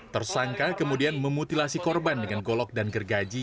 tersangka kemudian memutilasi korban dengan golok dan gergaji